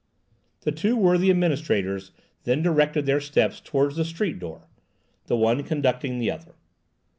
The two worthy administrators then directed their steps towards the street door, the one conducting the other.